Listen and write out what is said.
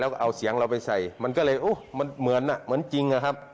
แล้วก็เอาเสียงเราไปใส่มันก็เลยโอ้มันเหมือนอ่ะเหมือนจริงอะครับ